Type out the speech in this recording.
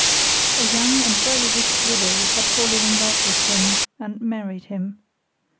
A young and very rich widow had fallen in love with him and married him.